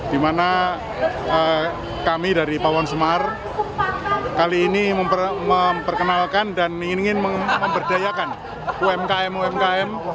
di mana kami dari pawon semar kali ini memperkenalkan dan ingin memberdayakan umkm umkm